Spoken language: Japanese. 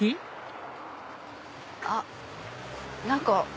あっ何か。